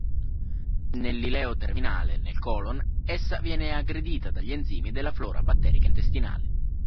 Nell'ileo terminale e nel colon essa viene aggredita dagli enzimi della flora batterica intestinale.